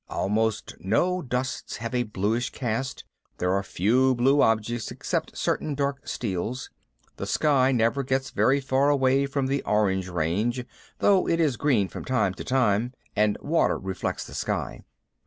Almost no dusts have a bluish cast, there are few blue objects except certain dark steels, the sky never gets very far away from the orange range, though it is green from time to time, and water reflects the sky.